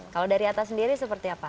kalau dari atta sendiri seperti apa